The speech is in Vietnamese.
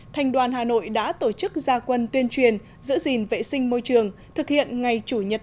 thành đoàn hà nội đã tổ chức gia quân tuyên truyền giữ gìn vệ sinh môi trường thực hiện ngày chủ nhật